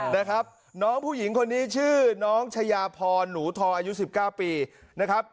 นะครับน้องผู้หญิงคนนี้ชื่อน้องชายาพรหนูทออายุ๑๙ปีนะครับ